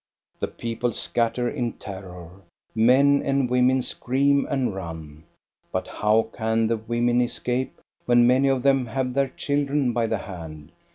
The people scatter in terror. Men and women scream and run. But how can the women escape when many of them have their children by the hand